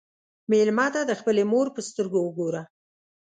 مېلمه ته د خپلې مور په سترګو وګوره.